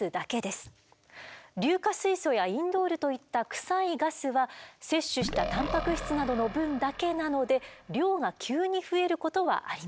硫化水素やインドールといったクサいガスは摂取したタンパク質などの分だけなので量が急に増えることはありません。